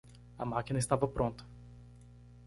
A máquina estava pronta